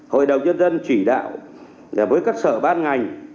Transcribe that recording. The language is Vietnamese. hội đồng nhân dân chỉ đạo với các sở ban ngành